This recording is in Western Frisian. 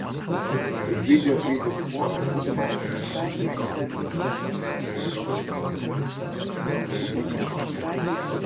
Ik wie der by de foarige tocht sels ek noch net.